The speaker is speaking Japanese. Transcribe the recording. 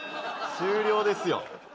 終了ですよ。